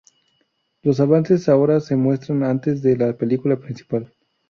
Los avances ahora se muestran antes de la película principal.